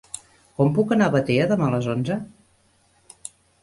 Com puc anar a Batea demà a les onze?